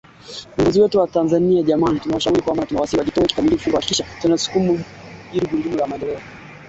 Wiki mbili zilizopita, ghasia zilizochochewa na watu wanaoshukiwa kuwa wa chama tawala kwenye mkutano wa chama pinzani